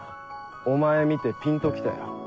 お前見てピンと来たよ。